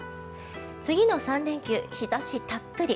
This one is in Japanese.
次の３連休、日差したっぷり。